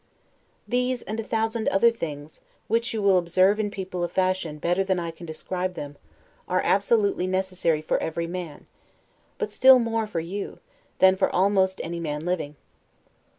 These, and a thousand other things, which you will observe in people of fashion better than I can describe them, are absolutely necessary for every man; but still more for you, than for almost any man living.